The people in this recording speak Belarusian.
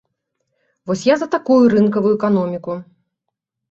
Вось я за такую рынкавую эканоміку!